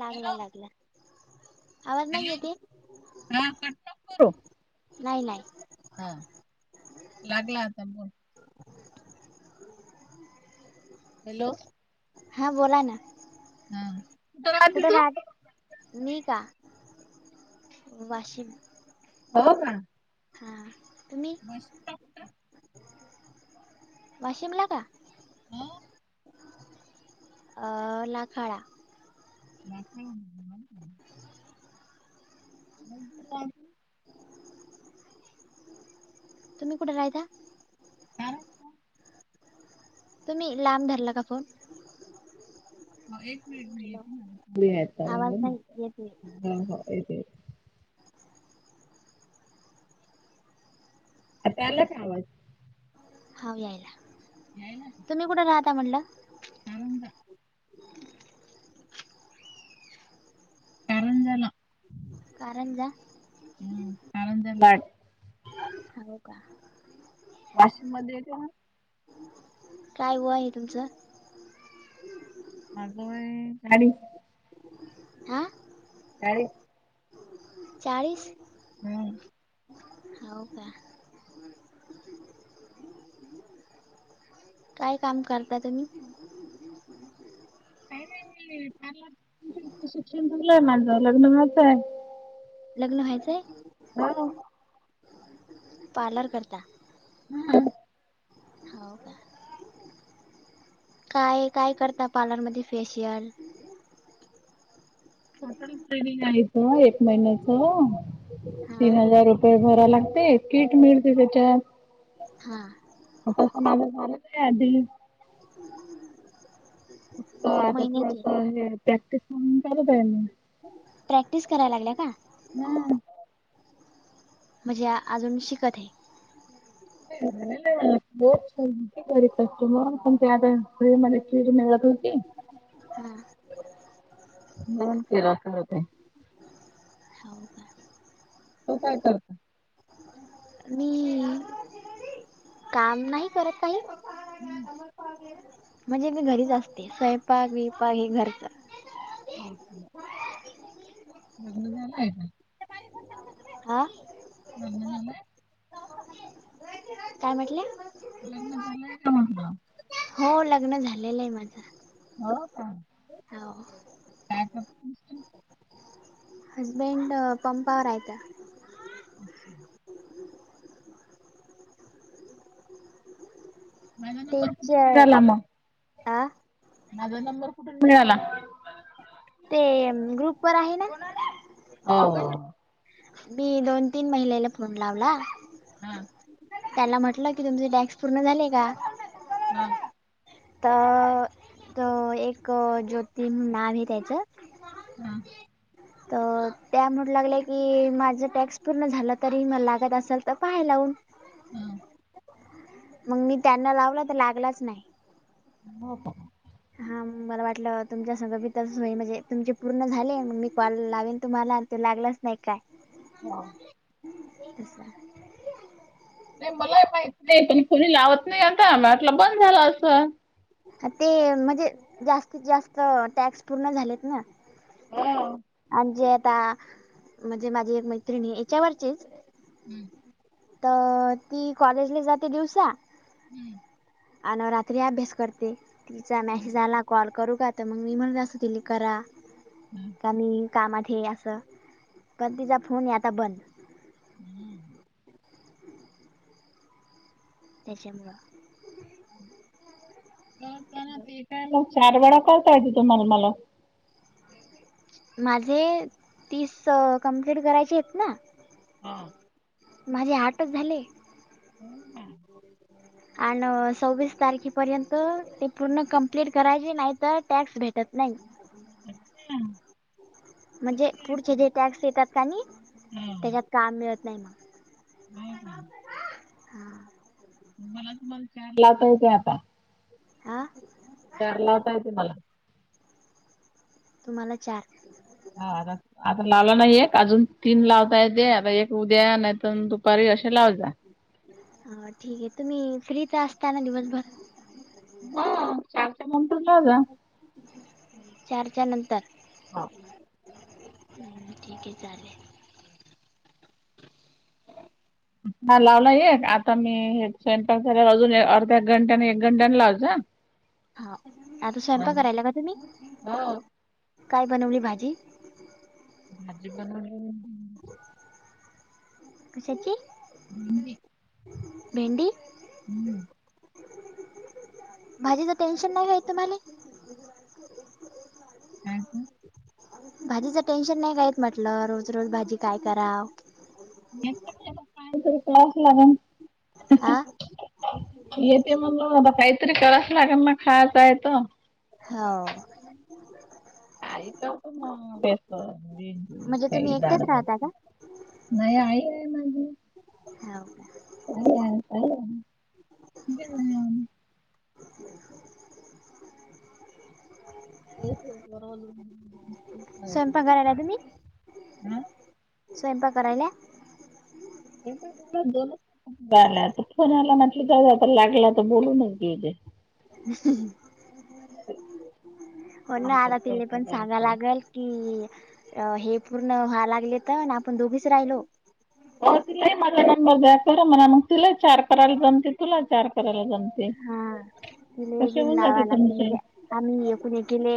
लागला लागला. आवाज नाही येते हॅलो [unintelligible] नाही नाही. [unintelligible] लागला आता बग. हॅलो. हां बोला ना. हम. कुठं? राहती मी का वाशिम. हो का? हा तुम्ही? [unintelligible] वाशीमला का? हो. अ नाकाळा. म [unintelligible] [inaudible] [unintelligible] तुम्ही कुठे राहयता? का? तुम्ही लांब धरला का फोन. एक मिनिट मी हॅलो आवाज नाही येते [unintelligible] हो येत येतं. आता आला का? आवाज हाव यायला. यायला ना. तुम्ही कुठं राहता म्हटलं? [unintelligible] कारंजा. हम् कारंजा. हो का? वाशिम मध्ये येते ना. काय? वय आहे तुमचं माझं वय चाळीस. हा अ [unintelligible] चाळीस! हम्. होव का? काय काम करता तुम्ही? काय नाही मी पार्लर [inaudible] शिक्षण झालंय माझं लग्न व्हायचं हे. लग्न व्हायचंय? पार्लर करता. हम्म. हाव. काय-काय करता पार्लरमध्ये फेशियल? [unintelligible] ट्रैनिंग आहेच व्हय एक महिन्याच? हा तीन हजार रुपये भराव लागते, किट मिळते त्याच्यात. हा [unintelligible] नाय आधी. [inaudible] फक्त आता थोडस महिन्याचे हे प्रॅक्टिस म्हणुन चालू द्या याला. प्रॅक्टिस कराया लागल्या का? हम्म. म्हणजे अजून शिकत हे. अरे देवा [unintelligible] कस्टमर पण ते आता [unintelligible] मध्ये किळ निघत होती. ह्म. मग फिरत तर होते. होव काय? तु काय करते? [inaudible] मीं काम नाही करत काही. [inaudible] म्हणजे मी घरीच असते, स्वयंपाक-बियपाक हे घरच [unintelligible] लग्न झालं हाय का? आं लग्न झालं? काय म्हटलं? लग्न झालंय का म्हटलं? होव, लग्न झालेलं हे माझं. होव का, हो काय करतीस तु? हजबेंड अं पंपा वर राहत्या. [inaudible] माझा नंबर कुठून तेच्याय मग आं माझा नंबर कुठून मिळाला? ते ग्रुप वर आहे ना. आं मी दोन-तीन महिलेले फोन लावला. ह्म. त्याला म्हटलं, की तुमचे टास्क पूर्ण झाले का? अं. तर- तर एक ज्योति म्हणू नाव हे त्याचं हम. तर त्यामुळे लागल्या की माझं टॅक्स पूर्ण झालं तरी मला लागत असल तर पाहा लावून. हां. मग मी त्यांना लावलं तर लागलाच नाही. हो का? हा मला वाटलं तुमच्या सगं भितर सोय म्हणजे तुमचे पूर्ण झालेग मी कॉल लावेन तुम्हाला ते लागलाच नाही काय. हा. [unintelligible] नाही मलाही माहती नाही पण कुणी लावत नाही आता मला आटलं बंद झालं असंल. ते म्हणजे जास्तीत जास्त टॅक्स पूर्ण झालेत ना. हो आणि जे आता म्हणजे माझी एक मैत्रिणी याच्यावरचीच हम्म. तर ती कॉलेजला जाते दिवसा हम्म अन रात्री अभ्यास करते तिचा मॅसे आला कॉल करू का? तर मग मी म्हण असं तरी करा. हम्. आणि कामात हे असं पण तिचा फोन आहे आता बंद. हम्म. त्याच्यामूळ हम्. हॅलो. [unintelligible] चार वडापाव खायच होत माझं मला. माझे तीस कंम्प्लीट करायचे आहेत ना. हां. माझे आठच झाले. आणि सव्वीस तारखेपर्यंत ते पूर्ण कंप्लीट करायचे नाहीतर टॅक्स भे टत नाही. अच्छा. म्हणजे पुढचे जे टॅक्स येतात का नाही त्याच्यात काम मिळत नाही मग. हो का? हा. मला तुम्हाला चार लावता येते आता. हा. चार लावता येते मला. तुम्हाला चार हा आ आता लावला ना एक अजून तीन लावता येत आता एक उद्या नाहीतर दुपारी असे लाव जा. ह ठीक आहे. तुम्ही फ्रीच असता ना दिवसभर? हो चारच्यानंतर लाव जा. चारच्यानंतर ठीक आहे चालेल. हा लावला एक आता मी हे स्वयंपाक झाल्या अजून अर्ध्या घंटानी एक घंट्यानी लावच. हा आता स्वयंपाक करायला का तुम्ही हो काय बनवली भाजी? भाजी बनवली म्हणून कशाची भेंडी भेंडी भाजीचं टेन्शन नाही काय तुम्हाले? काय ते? भाजीचं टेन्शन नाही घ्यात म्हटलं रोज रोज भाजी काय करा? [unintelligible] क्लास लागणं आं येते मग मला काहीतरी कराचं लागन ना खाया प्यायचं हाव म्हणजे तुम्ही एकटेच राहता का [unintelligible] नाही आई आहे माझी हो का [unintelligible] [unintelligible] [unintelligible] स्वयंपाक कराला तूम्ही? हा स्वयंपाक करायला? स्वयंपाक झाला दोनच झालं आता फोन आला म्हटलं जावा तर लागेल आता बोलूनच घेऊ दे हम्म हो ना नंतर आता तिले पण सांगाव करतो लागल की हे पूर्ण व्हा लागले तर ना आपण दोघीच राहिलो हो तिलाही माझा नंबर द्या कर म्हणा मग तिला चार करायला जमते तुला चार करायला जमते हा तिले तसे बिन होऊन नावा जाते लागते तुमचे म्हणजे आम्ही एकेमेकीले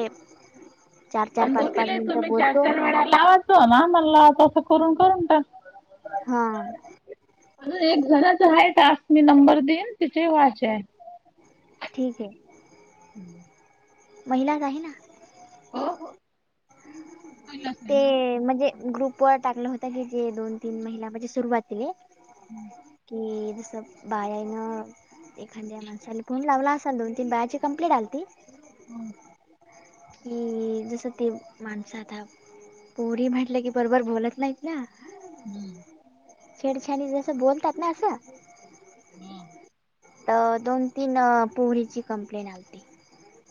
पण दोघिले तुम्ही चार, चार वेळा लावातो ना मला तसं करून पण टा हा अ एक जणाच आहे टास्क मी नंबर देईन तिचे व्हायच हाय ठीक आहे ह [inaudible] महिलाच आहे ना. हो हो पाहिलाच नाही ना तेव्हा टाकलं होता की जे दोन, तीन महिला म्हणजे सुरुवातीले हम्म की तसं बाळ हाय ना एखांद्या माणसाला फोन लावला असाल दोन, तीन बाळाची कंप्लीट आलती. हा कि जसं ती माणसं आता पोरी म्हटलं की बरोबर बोलत नाहीत ना हम्म छेडछाडी जसं बोलतात ना असं हा तर दोन-तीन अं पोरीची कंप्लेंट आलती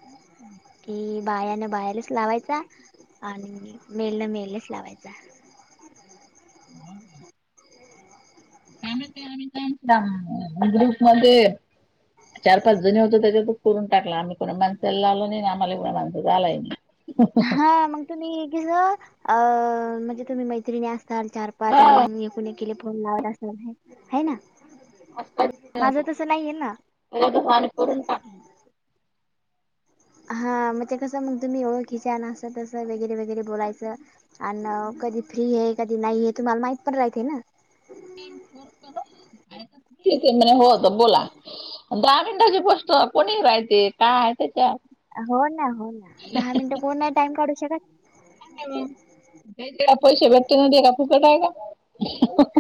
हं की बायानं बायालाच लावायचा. आणि मेलनं मेलेलाच लावायचा. [inaudible] त्यामुळे तर आम्ही चान्स लावणार. ग्रुप मध्ये चार, पाच जणी होत. त्याच्यात करून टाकला आम्ही त्यांना याला ही आम्हा ही आला नाही. हो हा मग तुम्ही एक अ म्हणजे तुम्ही मैत्रिणी असताल. चार, पाच आणि मग ऐकुऐक फोन लावत. असनार हाय ना? माझं तसं नाहीये ना. तेवढ्यातच आम्ही करून टाकलं [unintelligible] हा मग ते कस, मग तुम्ही ओळखीच्या ना अस तसं वगैरे वगैरे बोलायचं. अन कधी फ्री आहे, कधी नाही आहे, तुम्हाला माहित पण रहात ना. [unintelligible] हो होत बोला दहा मिनिटांचे पोचतो कोणी राहते. काय आहे त्याच्यात हो ना हो ना दहा मिनिटं कोण नाही. टाइम काढू शकत. पैसे भेटते ना ते काय फुकट आहे का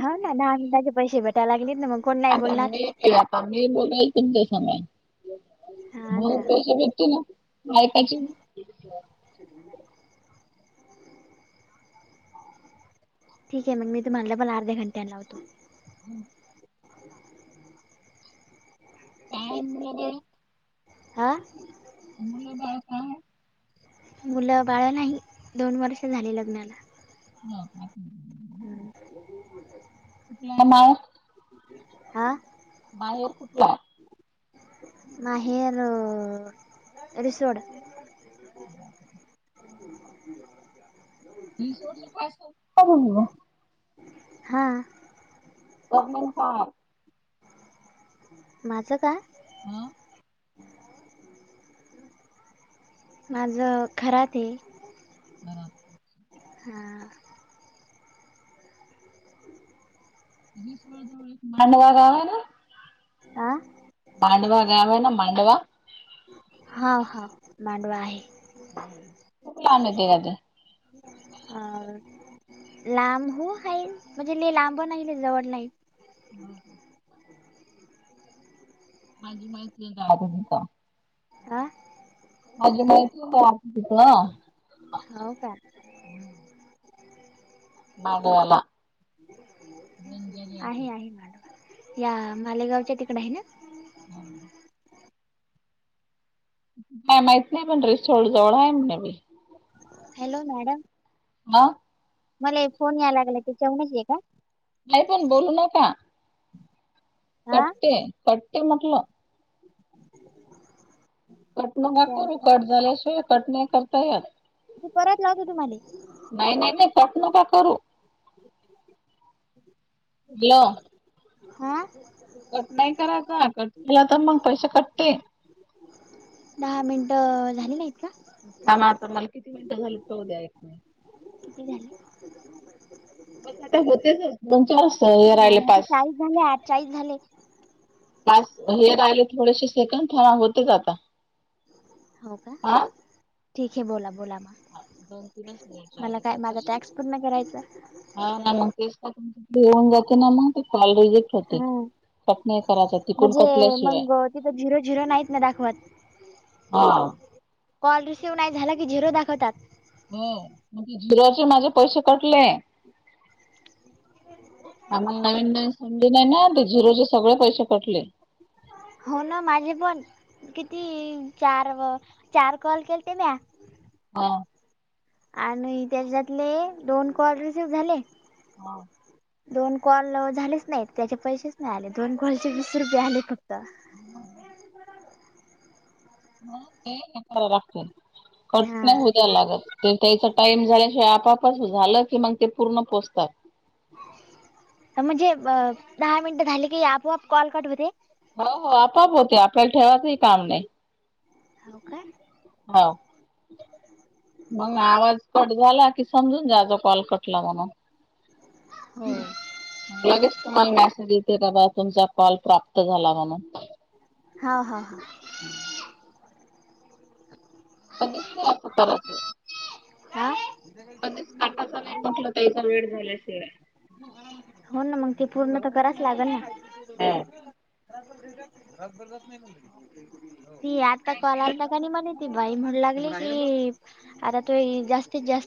हा ना दहा मिनिटाचे पैसे भेटायला लागलेत. ना मग कोण नाही बोलणार? ते आता मी बोलायले तुमच्या सोबत हा मग ना. पैसे भेटतेच ना? माय [unintelligible] ठीक आहे. मी तुम्हाला डबल अर्ध्या घंटे ने लावतो. हं काय माहित बाबा हा मुलं बाळ काय आहे? मुलं बाळ नाही. दोन वर्ष झाली लग्नाला ह का हम्म [inaudible] प्लॅन आहे. हा बाहेर कुठला आहे? बाहेर अग सोड ह [inaudible] [inaudible] ती सोड च्या काय सोड हा प्रॉब्लेम काय आहे. माझं काय? ह माझं खराते बर हा विसवळ जवळ एक मांडवा गाव आहे. ना आं मांडवा गाव आहे. ना मांडवा हा हा मांडवा आहे. खूप लांब येते का गं [inaudible] अ लांबू आहे म्हणजे लय लांबो नाही लय जवडं नाही. [unintelligible] माझी माहिती आहे द्यायची तिथं. हा माझी माहिती द्यायची तिथं. हा का. मामावाला आहे आहे मॅडम या मालेगावच्या तिकड आहे ना. हा. काय माहीत नाही पण ड्रेस शो जवळ आहे म्हण बाई. Hello madam. हा. मला एक फोन यायला लागला की हेच्यावणच आहे का? नाही पण बोलू नका. हा कट्टे कट्टी म्हटलं. [inaudible] [unintelligible] करुन चालतं कट झाल्याशिवाय कट नाही करता येत. मी परत लावतो तुम्हाला नाही नाही ते कट नका करू [unintelligible] [inaudible] [unintelligible] हा.. कट नाही करायचा कट केला तर मग पैसे कटते. दहा मिनिटं झाली नाहीत का? थांबा आता मला किती मिनटं झाली पाहुद्या एक मिनिटं. किती झाले? बस आता होतेच आहेत दोन चार असं राहिले झालं तास. चाळीस झाले आज चाळीस झाले तास हे राहिले थोडेसे सेकंड था होतेच आता. हो का? हा ठीक आहे बोला बोला म. दोन तीनच मिनिट मला राहिले काय ते माझा कसे टॅक्स पूर्ण करायचाय. हा नाम होऊन [unintelligible] होते, हा कट नाही करायचा तिकून म्हणजे कटल्याशिवाय. मग तिथं झिरो झिरो नाहीत ना दाखवत हा. कॉल रिसिव्ह नाही झाला की झिरो दाखवतात. हो. मग झिरोचे माझे पैसे कटले. आम्ही नवीन नवीन समजी नाही ना ते झिरोचे सगळे पैसे कटले. हो ना माझे पण. किती, चार व चार कॉल केलते म्या. हा. आणि त्याच्यातले दोन कॉल रिसिव्ह झाले हा. दोन कॉल झालेच नाही त्याचे पैसेच नाही आले, दोन कॉलचे वीस रुपये आले फक्त. [unintelligible] कट करायला लागतेन कट हा नाही होऊ द्याय लागत ते. त्याचा टाइम झाल्याशिवाय आपोपच झालं की मग ते पूर्ण पोचतात. म्हणजे दहा मिनट झाली की आपोआप कॉल कट होते. हो हो आपोआप होते आपल्याला ठेवायचंही काम नाही. हो काय ते? हो. मग आवाज कट झाला कि, समजून जाचा कॉल कटला म्हणून! हो लगेच तुम्हाला मेसेज येते बा! तुमचा कॉल प्राप्त झाला म्हणून! हा! हा!. कधीच नाही असं करायचं! आहे! ! काटायच नाही म्हटलं! त्याचा वेळ झाल्याशिवाय हो ना मग, ते पूर्ण तर कराच लागल ना? ह! ती आता कॉल आलता! म्हणे ती बाई म्हणू लागली की, आता तू जास्तीत जास्त